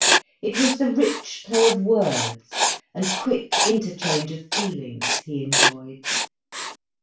It was the rich play of words and quick interchange of feelings he enjoyed.